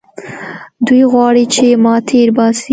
دوى غواړي چې ما تېر باسي.